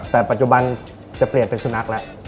แต่ปัจจุบันจะเปลี่ยนเป็นสุนัขแล้ว